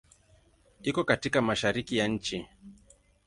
Iko katika Mashariki ya nchi.